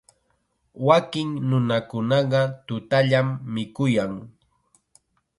Wakin nunakunaqa tutallam mikuyan.